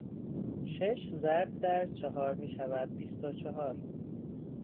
شش ضرب در چهار میشود بیست و چهار